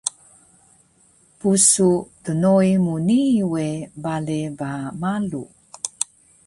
Pusu dnoi mu nii we bale ba malu